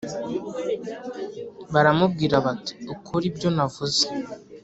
Baramubwira bati ukore ibyonavuze